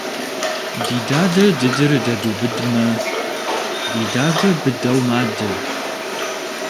Ди дадэ дыдыр дэдубыдмэ, ди дадэ быдэу мадэ.